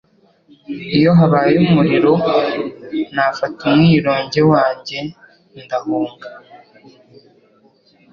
Iyo habaye umuriro, nafata umwironge wanjye ndahunga.